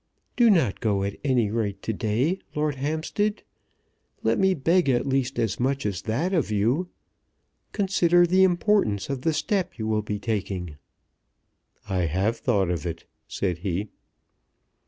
"Do not go at any rate to day, Lord Hampstead. Let me beg at least as much as that of you. Consider the importance of the step you will be taking." "I have thought of it," said he.